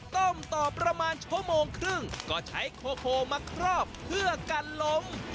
ต้มต่อประมาณชั่วโมงครึ่งก็ใช้โคโฮมาครอบเพื่อกันล้ม